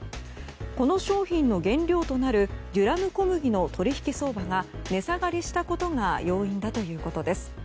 この商品の原料となるデュラム小麦の取引相場が値下がりしたことが要因だということです。